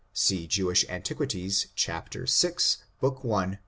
See Jewish Antiquities, chap, vi, book i, p.